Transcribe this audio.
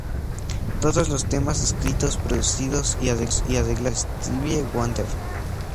Todos los temas escritos, producidos y arreglados por Stevie Wonder.